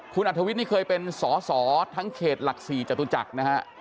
คุณอัทธวิทย์นี่เคยเป็นสอสอทั้งเขตหลักศรีอยากจับจักรนะครับ